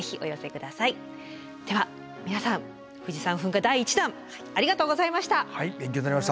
では皆さん「富士山噴火第１弾」ありがとうございました！